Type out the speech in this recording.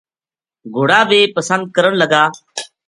گھوڑا بی پسند کرن لگا